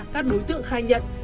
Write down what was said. các đối tượng khai nhận